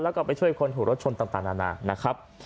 แล้วก็ไปช่วยคนถูกรถชนต่างนานานะครับ